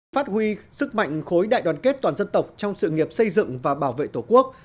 phát huy sức mạnh khối đại đoàn kết toàn dân tộc trong sự nghiệp xây dựng và bảo vệ tổ quốc